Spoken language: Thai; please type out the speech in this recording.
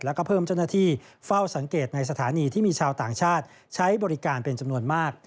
แล้วก็เพิ่มเจ้าหน้าที่เฝ้าสังเกตในสถานีที่มีชาวต่างชาติใช้บริการเป็นจำนวนมาก